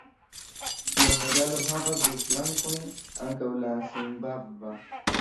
Ĉiu medalo havas du flankojn, ankaŭ la zimbabva.